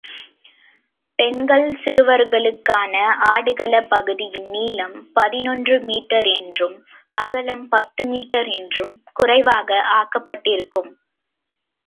பெண்கள், சிறுவர்களுக்கான ஆடுகளப் பகுதியின் நீளம் பதினொன்று மீட்டர் என்றும், அகலம் பத்து மீட்டர் என்றும் குறைவாக ஆக்கப்பட்டிருக்கும்.